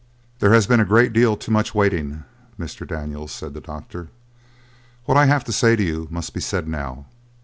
"There has been a great deal too much waiting, Mr. Daniels," said the doctor. "What I have to say to you must be said now.